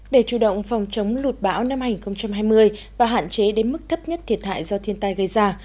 để chủ động phòng chống lụt bão năm hai nghìn hai mươi và hạn chế đến mức thấp nhất thiệt hại do thiên tai gây ra